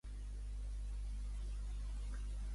és una foto de la plaça major de Xilxes.